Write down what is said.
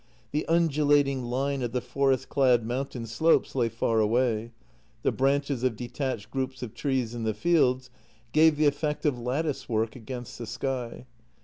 The undulating line of the forest clad moun tain slopes lay far away; the branches of detached groups of trees in the fields gave the effect of lattice work against the sky.